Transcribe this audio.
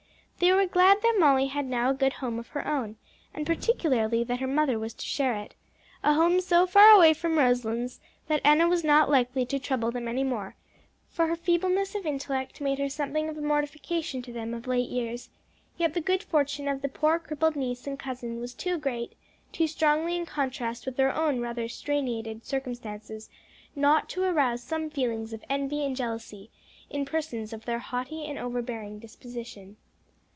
They were glad that Molly had now a good home of her own, and particularly that her mother was to share it a home so far away from Roselands that Enna was not likely to trouble them any more, for her feebleness of intellect made her something of a mortification to them of late years yet the good fortune of the poor crippled niece and cousin was too great, too strongly in contrast with their own rather straitened circumstances, not to arouse some feelings of envy and jealousy in persons of their haughty and overbearing disposition.